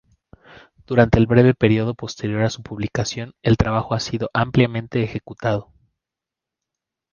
Durante el breve período posterior a su publicación, el trabajo ha sido ampliamente ejecutado.